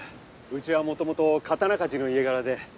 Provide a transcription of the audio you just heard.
うちはもともと刀鍛冶の家柄で。